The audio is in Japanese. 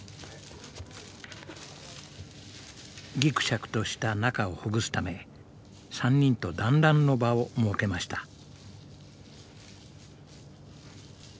ぎくしゃくとした仲をほぐすため３人と団らんの場を設けました。